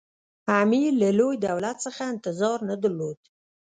امیر له لوی دولت څخه انتظار نه درلود.